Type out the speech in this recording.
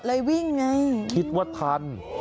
เลยวิ่งไงคิดว่าทัน